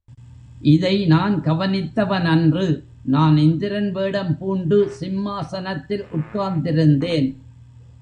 இதை நான் கவனித்தவனன்று நான் இந்திரன் வேடம் பூண்டு சிம்மாசனத்தில் உட்கார்ந்திருந்தேன்.